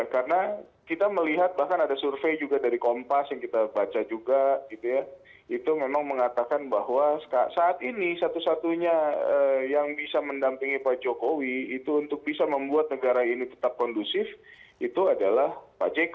karena kita melihat bahkan ada survei juga dari kompas yang kita baca juga itu memang mengatakan bahwa saat ini satu satunya yang bisa mendampingi pak jokowi itu untuk bisa membuat negara ini tetap kondusif itu adalah pak jk